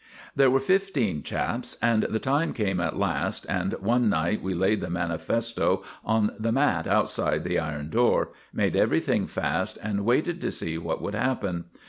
There were fifteen chaps, and the time came at last, and one night we laid the manifesto on the mat outside the iron door, made everything fast, and waited to see what would happen.